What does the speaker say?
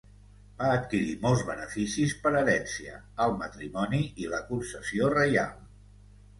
Va adquirir molts beneficis per herència, el matrimoni i la concessió reial.